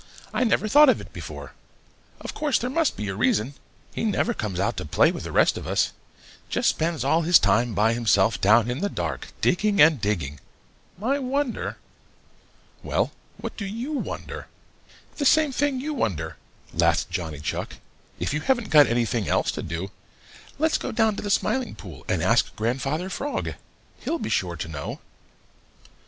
"I never thought of it before. Of course there must be a reason. He never comes out to play with the rest of us just spends all his time by himself down in the dark, digging and digging. I wonder " "Well, what do you wonder?" "The same thing you wonder," laughed Johnny Chuck. "If you haven't got anything else to do, let's go down to the Smiling Pool and ask Grandfather Frog; he'll be sure to know."